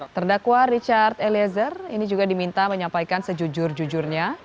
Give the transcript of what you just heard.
terdakwa richard eliezer ini juga diminta menyampaikan sejujur jujurnya